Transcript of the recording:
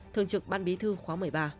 thường trực ban bí thư khóa một mươi ba